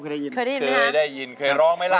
เคยได้ยินช่วยร้องมั้ยล่ะ